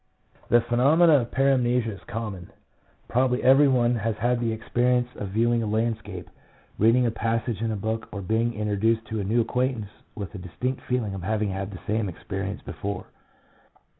The phenomenon of paramnesia is common. Probably every one has had the experience of viewing a landscape, reading a passage in a book, or being introduced to a new acquaintance with a distinct feeling of having had this same experience before.